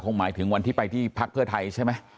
หมายถึงวันที่ไปที่พักเพื่อไทยใช่ไหม